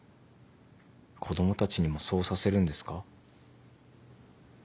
子供たちにもそうさせるんですか？